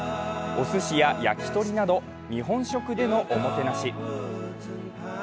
おすしや焼き鳥など、日本食でのおもてなし。